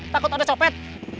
takut ada copet